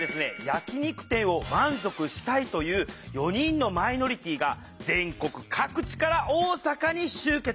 焼き肉店を満足したいという４人のマイノリティーが全国各地から大阪に集結。